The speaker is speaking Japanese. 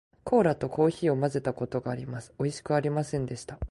コーラとコーヒーを混まぜたことがあります。おいしくありませんでした。